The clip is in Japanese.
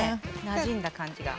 なじんだ感じが。